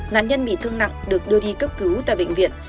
nạn nhân bị thương nặng được đưa đi cấp cứu tại bệnh viện